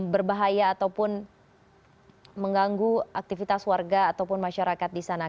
berbahaya ataupun mengganggu aktivitas warga ataupun masyarakat di sana